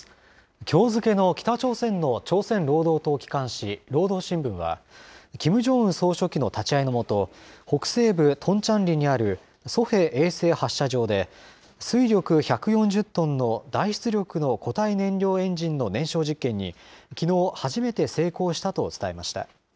きょう付けの北朝鮮の朝鮮労働党機関紙、労働新聞は、キム・ジョンウン総書記の立ち会いの下、北西部トンチャンリにあるソヘ衛星発射場で、推力１４０トンの大出力の固体燃料エンジンの燃焼実験に、きのう初めて成功したと伝えました。